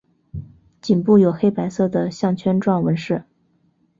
颈部有黑白色的项圈状纹饰。